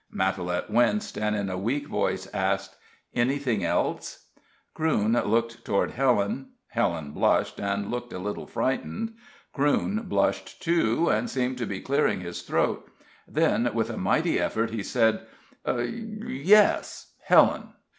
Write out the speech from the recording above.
Matalette winced, and, in a weak voice, asked: "Anything else?" Crewne looked toward Helen; Helen blushed, and looked a little frightened; Crewne blushed, too, and seemed to be clearing his throat; then, with a mighty effort, he said: "Yes Helen."